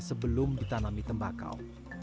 sebelum ditanami tembakau